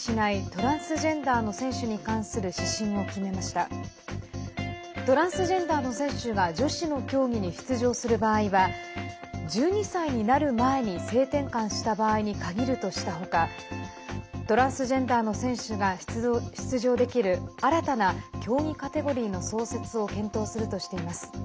トランスジェンダーの選手が女子の競技に出場する場合は１２歳になる前に性転換した場合に限るとしたほかトランスジェンダーの選手が出場できる新たな競技カテゴリーの創設を検討するとしています。